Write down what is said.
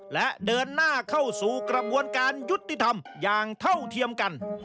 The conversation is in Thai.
และเดินหน้าเข้าสู่กระบวนการยุติธรรมอย่างเท่าเทียมกัน